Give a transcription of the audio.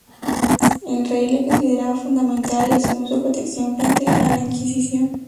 El Rey le consideraba fundamental y asumió su protección frente a la Inquisición.